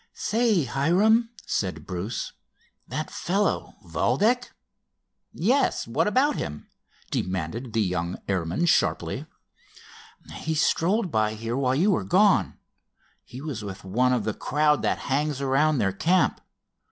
"Say, Hiram," said Bruce, "that fellow, Valdec——" "Yes, what about him?" demanded the young airman, sharply. "He strolled by here while you were gone. He was with one of the crowd that hangs around their camp.